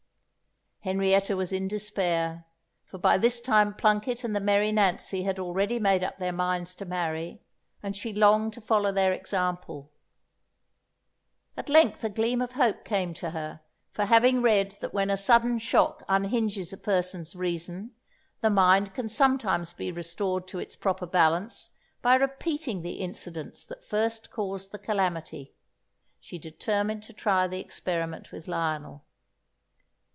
Henrietta was in despair, for by this time Plunket and the merry Nancy had already made up their minds to marry, and she longed to follow their example. At length a gleam of hope came to her, for having read that when a sudden shock unhinges a person's reason the mind can sometimes be restored to its proper balance by repeating the incidents that first caused the calamity, she determined to try the experiment with Lionel.